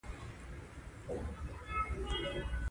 په پردۍ ژبه خبری کول ستونزمن وی؟